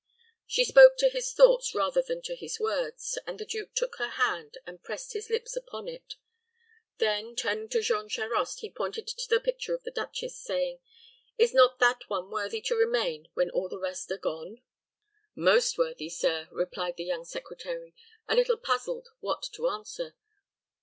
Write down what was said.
She spoke to his thoughts rather than to his words, and the duke took her hand, and pressed his lips upon it. Then, turning to Jean Charost, he pointed to the picture of the duchess, saying, "Is not that one worthy to remain when all the rest are gone?" "Most worthy, sir," replied the young secretary, a little puzzled what to answer.